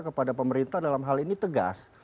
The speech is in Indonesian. kepada pemerintah dalam hal ini tegas